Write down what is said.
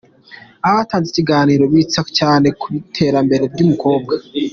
Abatanze ikiganiro bitsaga cyane ku iterambere ry'umukobwa.